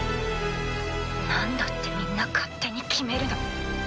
なんだってみんな勝手に決めるの？